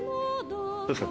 どうですか？